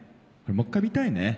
もう一回見たいね。